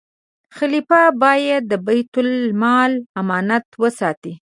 خلیفه باید د بیت المال امانت وساتي.